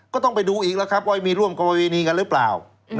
ก็ต้องไปดูอีกแล้วครับว่ามีร่วมกรณีกันหรือเปล่า